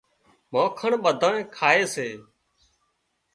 مانکڻ ٻڌانئين کائي سي